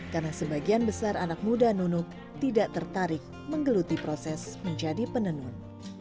karena sebagian besar anak muda nunuk tidak tertarik menggeluti proses menjadi penenun